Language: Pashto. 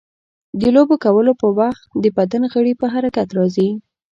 د لوبو کولو په وخت د بدن غړي په حرکت راځي.